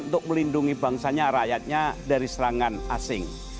untuk melindungi bangsanya rakyatnya dari serangan asing